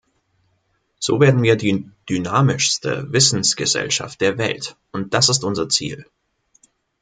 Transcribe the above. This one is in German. So werden wir die dynamischste Wissensgesellschaft der Welt, und das ist unser Ziel.